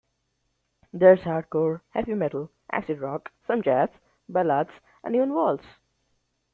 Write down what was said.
There's hardcore, heavy metal, acid rock, some jazz, ballads and even a waltz.